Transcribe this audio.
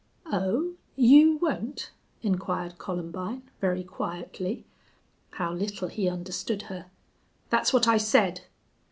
"Oh, you won't?" inquired Columbine, very quietly. How little he understood her! "That's what I said."